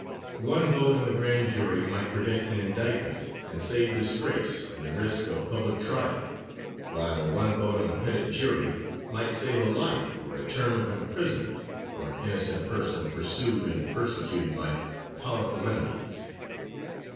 One vote on the grand jury might prevent an indictment, and save disgrace and the risk of public trial; while one vote on the petit jury might save a life or a term of imprisonment, for an innocent person pursued and persecuted by powerful enemies.